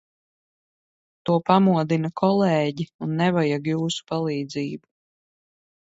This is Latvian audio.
To pamodina kolēģi, un nevajag jūsu palīdzību.